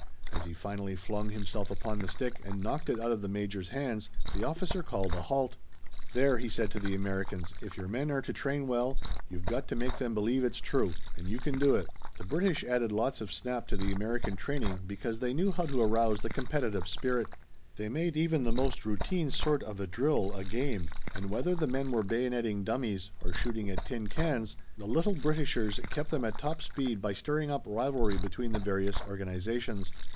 As he finally flung himself upon the stick and knocked it out of the major's hands the officer called a halt. "There," he said to the Americans, "if your men are to train well, you've got to make them believe it's true, and you can do it." The British added lots of snap to the American training because they knew how to arouse the competitive spirit. They made even the most routine sort of a drill a game, and whether the men were bayoneting dummies or shooting at tin cans the little Britishers kept them at top speed by stirring up rivalry between the various organizations.